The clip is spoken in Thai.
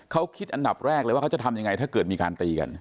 เขาคิดอันดับแรกเลยว่าเขาจะทำยังไงถ้าเกิดมีการตีกัน